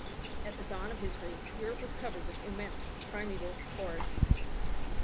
At the dawn of history, Europe was covered with immense primeval forests.